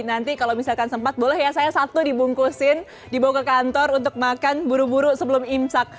nanti kalau misalkan sempat boleh ya saya satu dibungkusin dibawa ke kantor untuk makan buru buru sebelum imsak